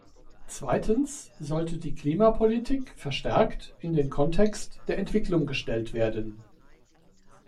Zweitens sollte die Klimapolitik verstärkt in den Kontext der Entwicklung gestellt werden.